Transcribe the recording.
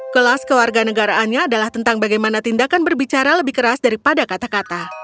kelas kewarganegaraannya adalah tentang bagaimana tindakan berbicara lebih keras daripada kata kata